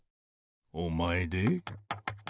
おまえで？